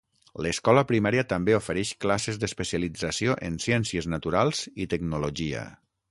L'escola primària també ofereix classes d'especialització en Ciències Naturals i Tecnologia.